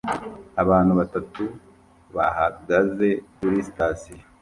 Abantu batatu bahagaze kuri sitasiyo